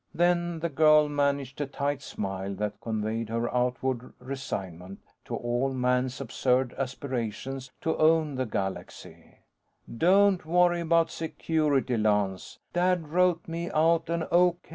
Then, the girl managed a tight smile that conveyed her outward resignment to all Man's absurd aspirations to own the galaxy: "Don't worry about 'Security,' Lance. Dad wrote me out an O.